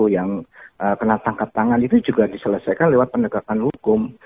yang kena tangkap tangan itu juga diselesaikan lewat penegakan hukum